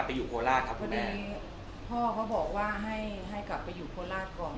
พ่อบอกว่าให้อยู่โคราคก่อน